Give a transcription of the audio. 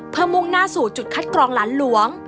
เพื่อมุ่งหน้าสู่จุดคัดกรองหลานหลวง